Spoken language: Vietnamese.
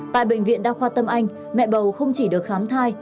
tại bệnh viện đa khoa tâm anh mẹ bầu không chỉ được khám thai